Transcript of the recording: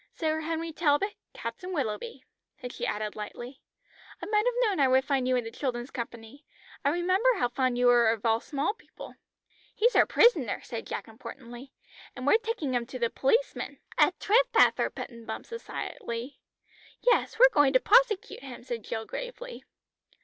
"Sir Henry Talbot. Captain Willoughby." Then she added lightly "I might have known I would find you in the children's company. I remember how fond you were of all small people." "He's our prisoner," said Jack importantly, "and we're taking him to the policeman." "A trethpather," put in Bumps excitedly. "Yes, we're going to prosecute him," said Jill gravely.